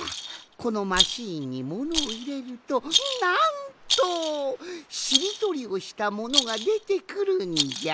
このマシーンにものをいれるとなんとしりとりをしたものがでてくるんじゃ。